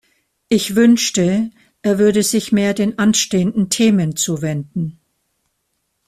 Ich wünschte, er würde sich mehr den anstehenden Themen zuwenden.